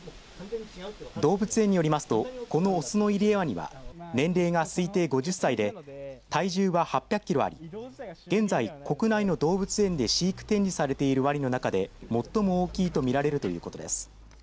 動物園によりますとこの雄のイリエワニは年齢が推定５０歳で体重は８００キロあり現在、国内の動物園で飼育、展示されているワニの中で最も大きいとみられるということです。